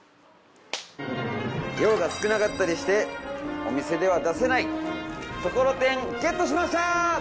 量が少なかったりしてお店では出せないところてんゲットしました！